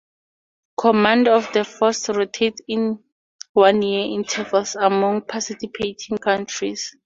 Command of the force rotates in one year intervals among participating countries.